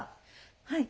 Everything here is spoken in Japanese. はい。